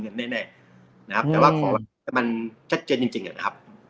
มันมีเงินแน่นะครับแต่ว่าขอวัดถึงว่ามันชัดเจนจริงครับ